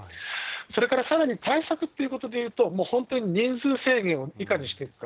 それからさらに対策っていうことでいうと、本当に人数制限をいかにしていくか。